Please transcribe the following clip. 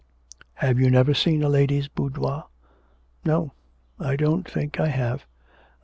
'Have you never seen a lady's boudoir?' 'No; I don't think I have.